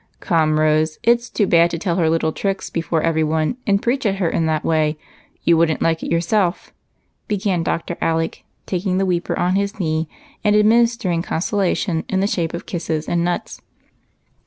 "Come, Rose, it's too bad to tell her little tricks before every one, and preach at her in tthat way; you wouldn't like it yourself," began Dr. Alec, tak ing the weeper on his knee and administering conso lation in the shape of kisses and nuts.